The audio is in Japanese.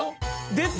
出た！